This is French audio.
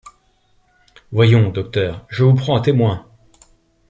Voyons docteur je vous prends à témoins :